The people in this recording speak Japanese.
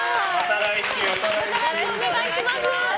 来週よろしくお願いします。